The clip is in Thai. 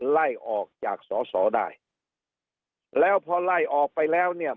ไล่ออกจากสอสอได้แล้วพอไล่ออกไปแล้วเนี่ย